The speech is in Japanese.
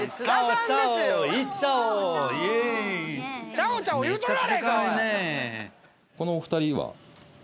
チャオチャオ言うとるやないか！